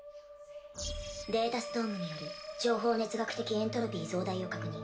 データストームによる情報熱学的エントロピー増大を確認。